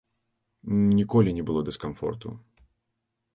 Ніколі не было дыскамфорту.